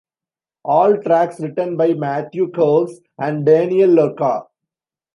All tracks written by Matthew Caws and Daniel Lorca.